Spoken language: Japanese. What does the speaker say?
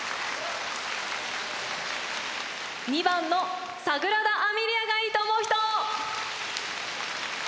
２番の「サグラダ・編みリア」がいいと思う人！